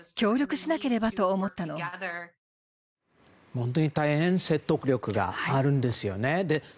本当に大変説得力があるんですよね。